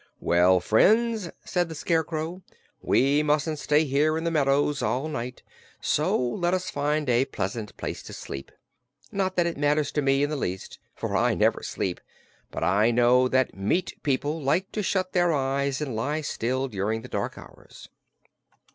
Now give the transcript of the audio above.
"Well, friends," said the Scarecrow, "we mustn't stay here in the meadows all night, so let us find a pleasant place to sleep. Not that it matters to me, in the least, for I never sleep; but I know that meat people like to shut their eyes and lie still during the dark hours."